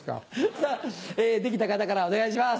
さぁ出来た方からお願いします。